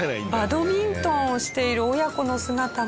バドミントンをしている親子の姿も。